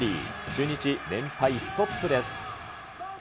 中日、連敗ストップです。